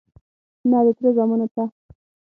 _نه، د تره زامنو ته..